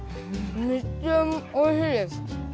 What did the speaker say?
めっちゃおいしいです！